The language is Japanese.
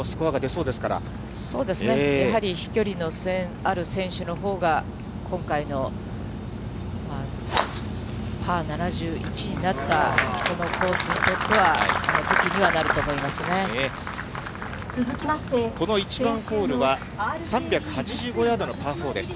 そうですね、やはり飛距離のある選手のほうが、今回のパー７１になったこのコースにとっては、武器にはなると思この１番ホールは、３８５ヤードのパー４です。